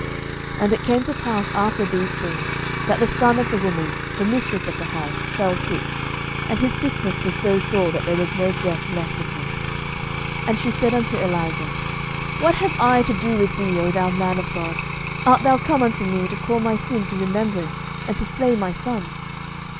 11:017:017 And it came to pass after these things, that the son of the woman, the mistress of the house, fell sick; and his sickness was so sore, that there was no breath left in him. 11:017:018 And she said unto Elijah, What have I to do with thee, O thou man of God? art thou come unto me to call my sin to remembrance, and to slay my son?